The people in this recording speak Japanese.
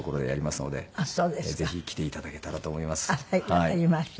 わかりました。